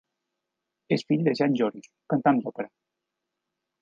És fill de Jan Joris, un cantant d'òpera.